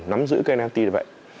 nắm giữ cái nft này